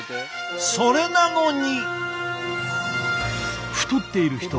それなのに！